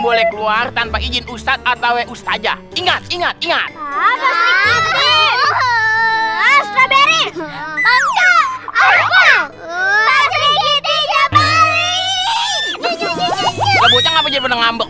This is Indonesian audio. boleh keluar tanpa izin ustadz atau wus saja ingat ingat ingat